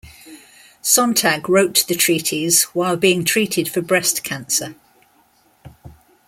Sontag wrote the treatise while being treated for breast cancer.